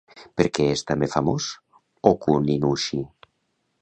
Per què és també famós Ōkuninushi?